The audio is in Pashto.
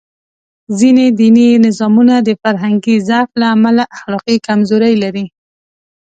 ځینې دیني نظامونه د فرهنګي ضعف له امله اخلاقي کمزوري لري.